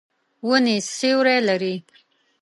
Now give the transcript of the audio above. ونې سیوری لري.